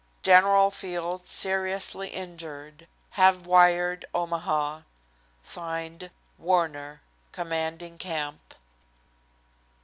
General Field seriously injured. Have wired Omaha. (Signed) Warner, _Commanding Camp.